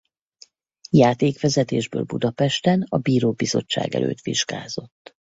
Játékvezetésből Budapesten a Bíró Bizottság előtt vizsgázott.